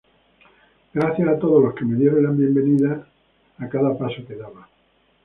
Gracias a todos los que me dieron la bienvenida a cada paso que daba.